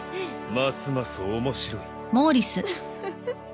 ますます面白いウフフ。